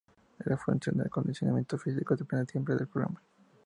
La función de acondicionamiento físico depende siempre del problema.